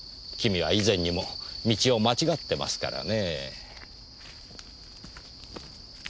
君は以前にも道を間違ってますからねぇ。